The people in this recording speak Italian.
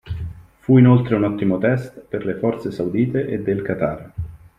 Fu inoltre un ottimo test per le forze saudite e del Qatar.